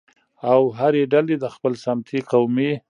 او هرې ډلې د خپل سمتي، قومي